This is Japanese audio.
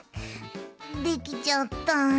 できちゃった。